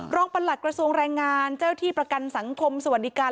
ประหลัดกระทรวงแรงงานเจ้าที่ประกันสังคมสวัสดิการ